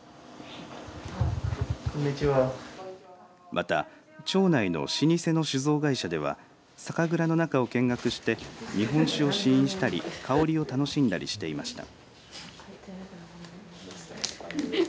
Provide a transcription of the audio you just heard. また、町内の老舗の酒造会社では酒蔵の中を見学して日本酒を試飲したり香りを楽しんだりしていました。